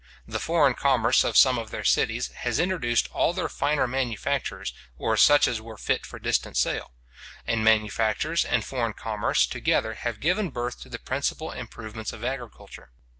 The foreign commerce of some of their cities has introduced all their finer manufactures, or such as were fit for distant sale; and manufactures and foreign commerce together have given birth to the principal improvements of agriculture.